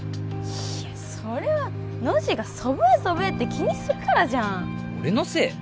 いやそれはノジが祖父江祖父江って気にするからじゃん俺のせい？